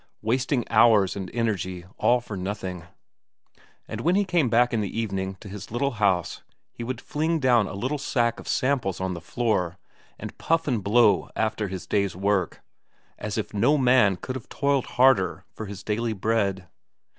Wasting hours and energy all for nothing. And when he came back in the evening to his little house, he would fling down a little sack of samples on the floor, and puff and blow after his day's work, as if no man could have toiled harder for his daily bread.